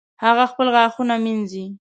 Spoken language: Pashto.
هغه خپل غاښونه مینځي